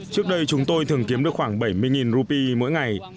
trước đây chúng tôi thường kiếm được khoảng bảy mươi rupee mỗi ngày